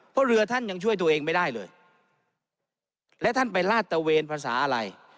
เพราะเรือท่านยังช่วยตัวเองไม่ได้เลยและท่านไปลาดตะเวนภาษาอะไร